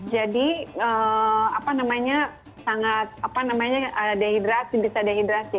jadi apa namanya sangat apa namanya dehidrasi bisa dehidrasi